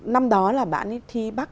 năm đó là bạn ấy thi bắc